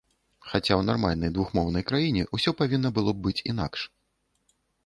Хаця ў нармальнай двухмоўнай краіне ўсё павінна было б быць інакш.